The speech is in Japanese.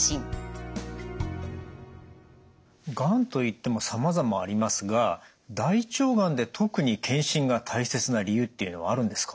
がんといってもさまざまありますが大腸がんで特に検診が大切な理由っていうのはあるんですか？